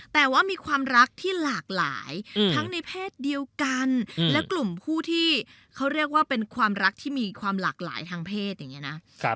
แต่ว่ามีความรักที่หลากหลายทั้งในเพศเดียวกันและกลุ่มผู้ที่เขาเรียกว่าเป็นความรักที่มีความหลากหลายทางเพศอย่างนี้นะ